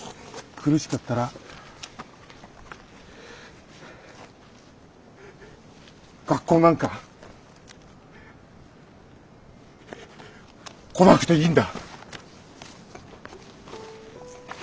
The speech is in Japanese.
苦しかったら苦しい時は学校なんか来なくていいんだ。